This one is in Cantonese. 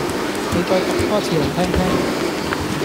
你再讀多次嚟聽聽